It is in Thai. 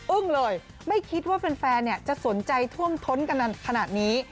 เลยไม่คิดว่าแฟนจะสนใจท่วมท้นกันขนาดนี้